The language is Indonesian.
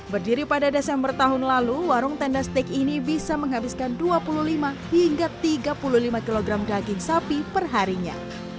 berdiri pada desember tahun lalu warung tenda steak ini bisa menghabiskan dua puluh lima hingga tiga puluh lima kg daging sapi perharinya